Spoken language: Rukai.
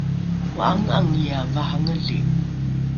o’ange’angiae varangeli